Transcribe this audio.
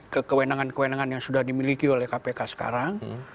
kekewenangan kekewenangan yang sudah dimiliki oleh kpk sekarang